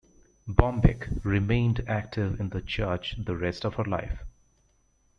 Bombeck remained active in the church the rest of her life.